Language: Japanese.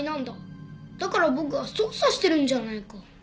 だから僕が捜査してるんじゃないか。